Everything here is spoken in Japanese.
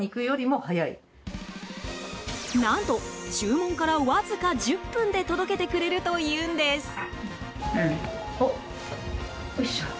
何と注文から、わずか１０分で届けてくれるというんです。